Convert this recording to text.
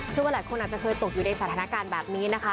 ว่าหลายคนอาจจะเคยตกอยู่ในสถานการณ์แบบนี้นะคะ